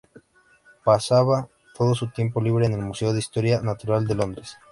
Pasaba todo su tiempo libre en el Museo de Historia Natural de Londres.